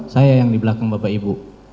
saya yang di belakang bapak ibu